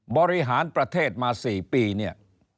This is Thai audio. บริหารประเทศมา๔ปี